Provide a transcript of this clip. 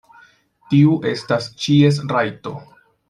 Tiu estas ĉies rajto.